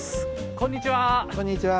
こんにちは。